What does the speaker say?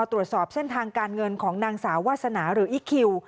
ตรวจสอบเส้นทางการเงินของนางสาววาสนาหรืออีคคิว